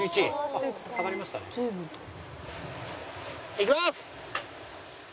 いきます！